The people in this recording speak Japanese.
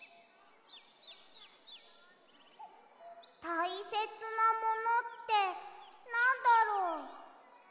たいせつなものってなんだろう？